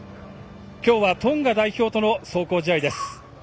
今日はトンガ代表との壮行試合です。